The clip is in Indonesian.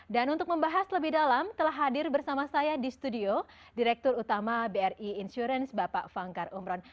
dan untuk membahas lebih dalam telah hadir bersama saya di studio direktur utama bri insurance bapak fangkar umron